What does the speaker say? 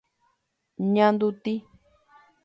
Ñanduti.